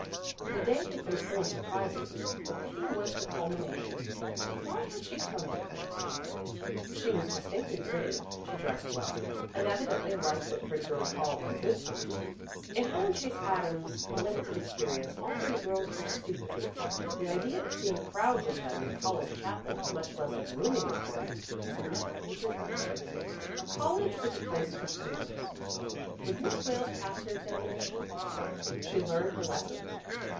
The day had been full of surprises, but Betty was the culmination. Why had she come to college? She was distinctly pretty, she dressed well, and evidently liked what pretty girls call "a good time." In Helen Chase Adams's limited experience all pretty girls were stupid. The idea of seeing crowds of them in the college chapel, much less of rooming with one, had never entered her head. A college was a place for students. Would Miss Wales pass her examination? Would she learn her lessons?